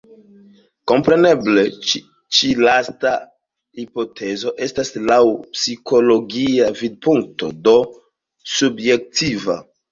Kompreneble ĉi lasta hipotezo estas laŭ psikologia vidpunkto, do subjektiva.